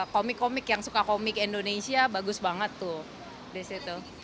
komik komik yang suka komik indonesia bagus banget tuh